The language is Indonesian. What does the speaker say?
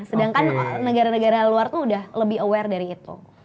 sedangkan negara negara luar itu udah lebih aware dari itu